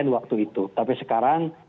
waktu itu tapi sekarang